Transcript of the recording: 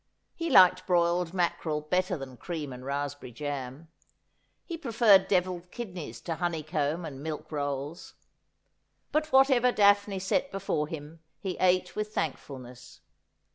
He liked broiled mackerel better than cream and rasp berry jam. He preferred devilled kidneys to honeycomb and milk rolls. But whatever Daphne set before him he ate with thankfulness.